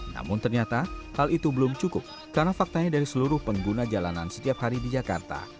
namun ternyata hal itu belum cukup karena faktanya dari seluruh pengguna jalanan setiap hari di jakarta